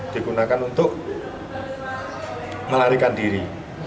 digunakan untuk melarikan diri